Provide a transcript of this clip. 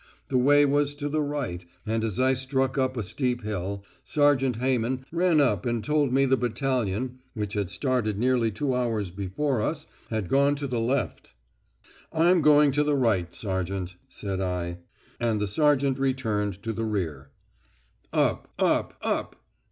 The way was to the right, and as I struck up a steep hill, Sergeant Hayman ran up and told me the battalion (which had started nearly two hours before us) had gone to the left. 'I'm going to the right, sergeant,' said I. And the sergeant returned to the rear. Up, up, up.